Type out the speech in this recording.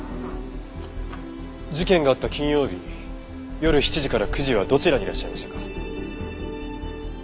事件があった金曜日夜７時から９時はどちらにいらっしゃいましたか？